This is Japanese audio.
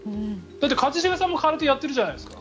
一茂さんも空手やってるじゃないですか。